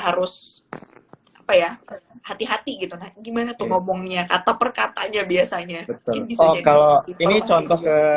harus apa ya hati hati gitu gimana tuh ngomongnya kata per katanya biasanya oh kalau ini contohnya